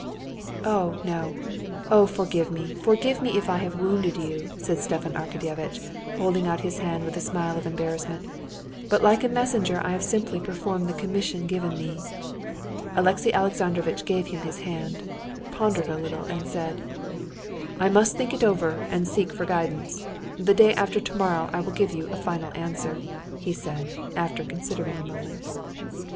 "Oh, no! Oh, forgive me, forgive me if I have wounded you," said Stepan Arkadyevitch, holding out his hand with a smile of embarrassment; "but like a messenger I have simply performed the commission given me." Alexey Alexandrovitch gave him his hand, pondered a little, and said: "I must think it over and seek for guidance. The day after tomorrow I will give you a final answer," he said, after considering a moment.